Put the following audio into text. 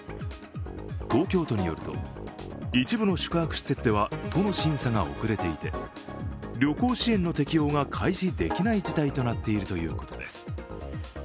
東京都によると、一部の宿泊施設では都の審査が遅れていて旅行支援の適用が開始できない事態となっているということです。